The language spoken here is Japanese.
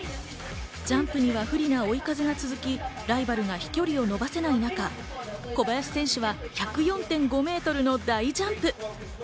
ジャンプには不利な追い風が続き、ライバルが飛距離を延ばせない中、小林選手は１０４．５メートルの大ジャンプ。